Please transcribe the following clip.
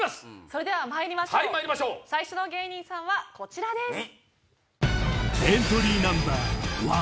それではまいりましょう最初の芸人さんはこちらです。